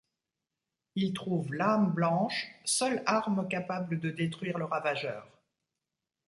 Il trouve l'Âme Blanche, seule arme capable de détruire le Ravageur.